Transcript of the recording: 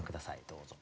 どうぞ。